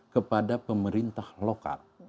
kepada pemerintah lokal